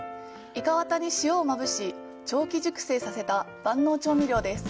イカワタに塩をまぶし、長期熟成させた万能調味料です。